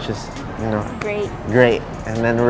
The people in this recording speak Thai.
เฉินไหวไหม